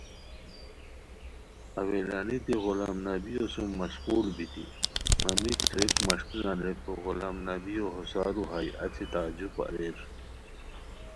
اوّلانیتی غلام نبیو سوم مشقول بیتی مہ میک تھوویک مݰکیران ریکو غلام نبیو ہوسارو ہائے، اچی تعجب اریر